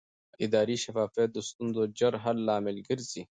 اداري شفافیت د ستونزو ژر حل لامل ګرځي